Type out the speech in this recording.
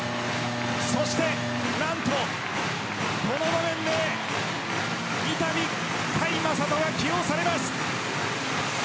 そして、何とこの場面でみたび、甲斐優斗が起用されます。